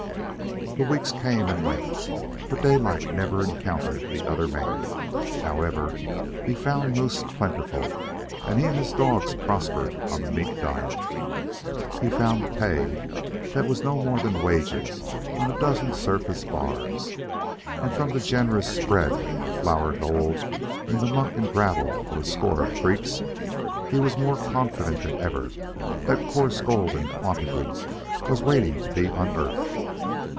The weeks came and went, but Daylight never encountered the other man. However, he found moose plentiful, and he and his dogs prospered on the meat diet. He found "pay" that was no more than "wages" on a dozen surface bars, and from the generous spread of flour gold in the muck and gravel of a score of creeks, he was more confident than ever that coarse gold in quantity was waiting to be unearthed.